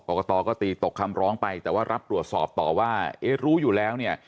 กตก็ตีตกคำร้องไปแต่ว่ารับตรวจสอบต่อว่าเอ๊ะรู้อยู่แล้วเนี่ย